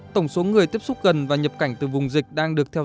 tổng số người tiếp xúc gần và nhập cảnh từ vùng dịch đang được tham gia